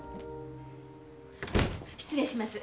失礼します。